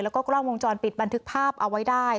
แล้วก็กล้องวงจรปิดบันทึกภาพเอาไว้ได้